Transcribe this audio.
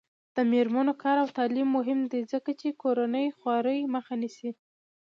د میرمنو کار او تعلیم مهم دی ځکه چې کورنۍ خوارۍ مخه نیسي.